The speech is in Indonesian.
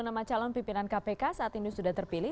nama calon pimpinan kpk saat ini sudah terpilih